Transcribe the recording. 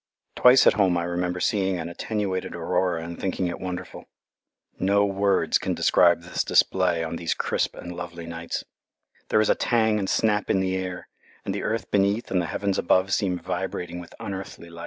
Twice at home I remember seeing an attenuated aurora and thinking it wonderful. No words can describe this display on these crisp and lovely nights. There is a tang and snap in the air, and the earth beneath and the heavens above seem vibrating with unearthly life.